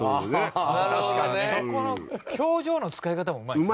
そこの表情の使い方もうまいですよね